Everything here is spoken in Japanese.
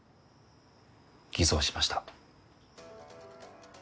偽造しました